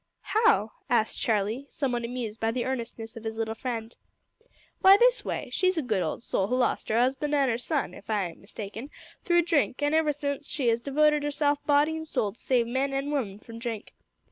"How?" asked Charlie, somewhat amused by the earnestness of his little friend. "Why, this way. She's a good old soul who lost 'er 'usband an' 'er son if I ain't mistaken through drink, an' ever since, she 'as devoted 'erself body an' soul to save men an' women from drink.